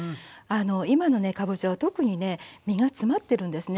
今のねかぼちゃは特にね身が詰まってるんですね。